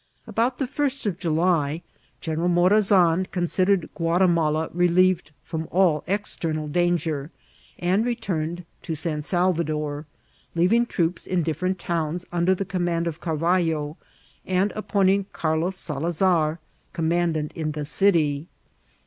About the first of July General Morazan considered Guatimala relieved from all external danger, and re* turned to San Salvador, leaving troops in different towns under the command of Carvallo, and appointing Carlos Salazar commandant in the city.